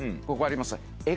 ここあります